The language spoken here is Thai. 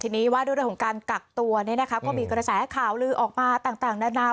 ทีนี้ว่าด้วยเรื่องของการกักตัวก็มีกระแสข่าวลือออกมาต่างนานา